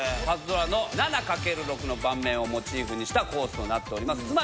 パズドラの７かける６の盤面をモチーフにしたコースとなっております。